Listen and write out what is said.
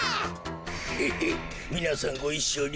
ヘヘッみなさんごいっしょに。